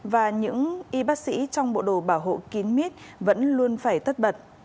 và những y bác sĩ trong bộ đồ bảo hộ kín mít vẫn luôn phải tất bật